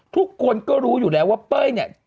ทุกคนก็รู้อยู่แล้วว่า